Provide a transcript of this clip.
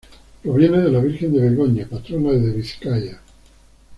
Proviene de la Virgen de Begoña, patrona de Vizcaya.